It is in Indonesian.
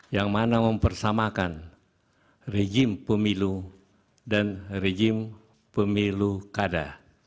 yang mana mempersamakan rejim pemilu dan rejim pemilu kada